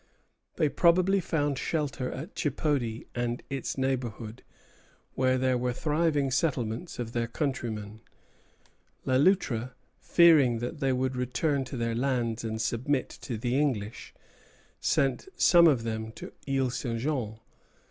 They probably found shelter at Chipody and its neighborhood, where there were thriving settlements of their countrymen. Le Loutre, fearing that they would return to their lands and submit to the English, sent some of them to Isle St. Jean.